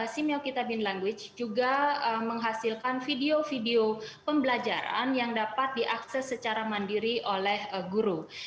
simeokitabin language juga menghasilkan video video pembelajaran yang dapat diakses secara mandiri oleh guru